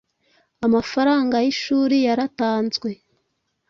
amafaranga y’ishuri yaratanzwe